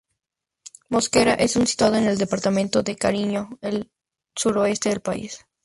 Mosquera es un situado en el departamento de Nariño, al suroeste del país.